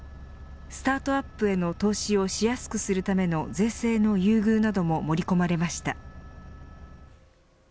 スタートアップへの投資をしやすくするための税制の優遇なども盛り込まれました。